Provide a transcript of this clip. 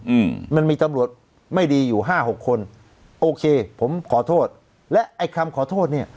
อืมมันมีตำรวจไม่ดีอยู่ห้าหกคนโอเคผมขอโทษและไอ้คำขอโทษเนี้ย